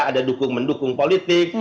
ada dukung mendukung politik